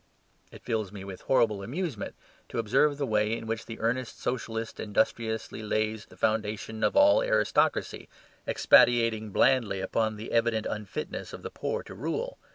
It fills me with horrible amusement to observe the way in which the earnest Socialist industriously lays the foundation of all aristocracy, expatiating blandly upon the evident unfitness of the poor to rule.